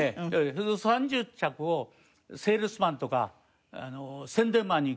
その３０着をセールスマンとか宣伝マンに着せましてね。